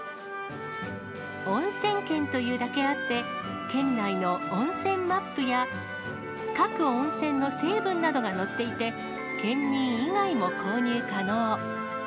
おんせん県というだけあって、県内の温泉マップや、各温泉の成分などが載っていて、県民以外も購入可能。